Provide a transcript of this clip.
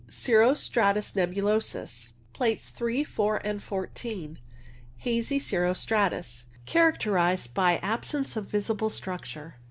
Cirro stratus nebulosus (Plates 3, 4, and 14). Hazy cirro stratus. Characterized by absence of visible structure.